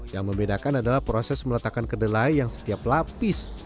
yang membedakan adalah proses meletakkan kedelai yang setiap lapis